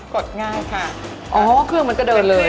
ดง่ายค่ะอ๋อเครื่องมันก็เดินเลย